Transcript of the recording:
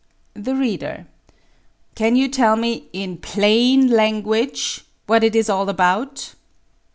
The Reader: Can you tell me in plain language what it is all about?